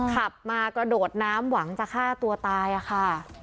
ขับมากระโดดน้ำหวังจะฆ่าตัวตายค่ะ